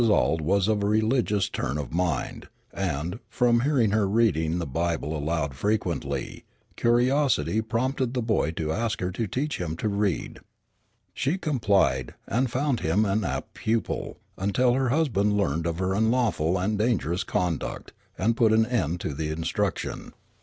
Auld was of a religious turn of mind; and, from hearing her reading the Bible aloud frequently, curiosity prompted the boy to ask her to teach him to read. She complied, and found him an apt pupil, until her husband learned of her unlawful and dangerous conduct, and put an end to the instruction.